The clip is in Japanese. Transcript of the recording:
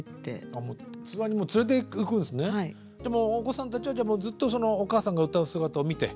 お子さんたちはじゃあもうずっとそのお母さんが歌う姿を見て。